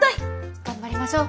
頑張りましょう。